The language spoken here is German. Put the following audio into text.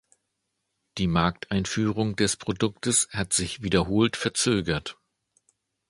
Die Markteinführung des Produktes hat sich wiederholt verzögert.